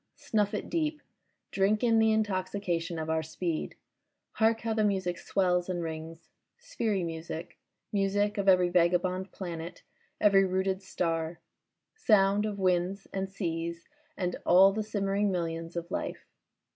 Snuff it deep, drink in the intoxication of our speed. Hark how the music swells and rings. ... sphery music, music of every vagabond planet, every rooted star ; sound of winds and seas and all the simmering millions of life.